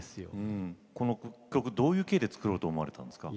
この曲、どういう経緯で作ろうと思われたんですか？